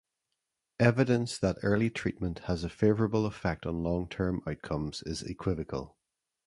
Evidence that early treatment has a favorable effect on long term outcomes is equivocal.